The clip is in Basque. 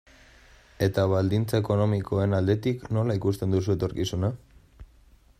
Eta baldintza ekonomikoen aldetik, nola ikusten duzu etorkizuna?